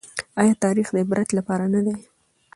ايا تاريخ د عبرت لپاره نه دی؟